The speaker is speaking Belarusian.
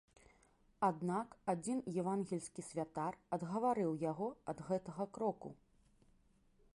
Аднак адзін евангельскі святар адгаварыў яго ад гэтага кроку.